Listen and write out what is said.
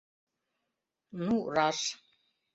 — Ну, раш.